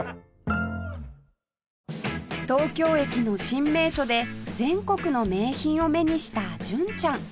東京駅の新名所で全国の名品を目にした純ちゃん